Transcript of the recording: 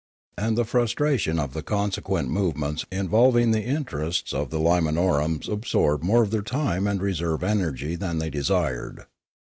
And the frustration of the consequent movements involving the interests of the I^imanorans absorbed more of their time and reserve energy than they desired.